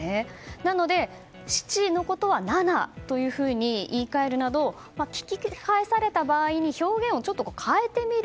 なので、「しち」のことは「なな」というふうに言い換えるなど聞き返された場合に表現をちょっと変えてみる。